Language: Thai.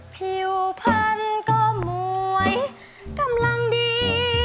ผิวพันธุ์ก็มวยกำลังดี